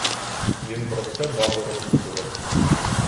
Він про все баби розпитував.